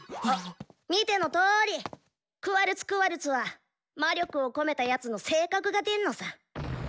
見てのとおり「クワルツ・クワルツ」は魔力を込めたやつの性格が出んのさ。